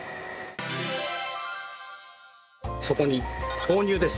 そこに豆乳です。